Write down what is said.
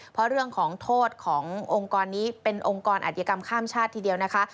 เพราะเรื่องของโทษขององค์กรนี้เป็นองค์กรอัธยกรรมข้ามชาติทีเดียวนะคะ